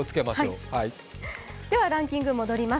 ではランキングに戻ります。